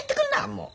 もう。